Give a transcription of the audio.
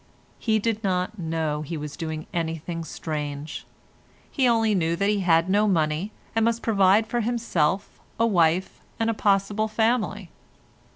He did not know he was doing anything strange. He only knew that he had no money, and must provide for himself, a wife, and a possible family.